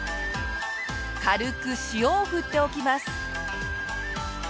軽く塩を振っておきます。